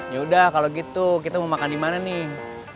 yaudah kalau gitu kita mau makan dimana nih